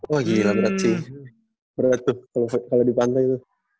oh gila berat sih berat tuh kalau di pantai itu